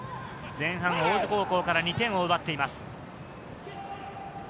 前半、大津高校から２点を奪っています。